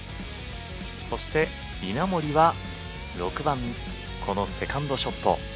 そして、稲森は６番このセカンドショット。